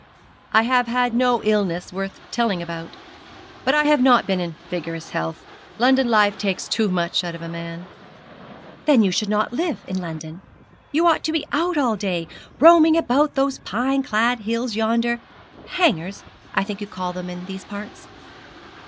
'I have had no illness worth telling about; but I have not been in vigorous health. London life takes too much out of a man.' 'Then you should not live in London. You ought to be out all day, roaming about on those pine clad hills yonder "hangers," I think you call them in these parts.'